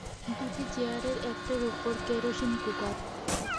দুটি চেয়ারের একটার ওপর কেরোসিন কুকার।